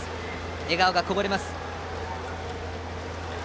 笑顔がこぼれます。